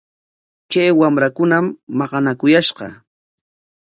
Kay wamrakunam maqanakuyashqa.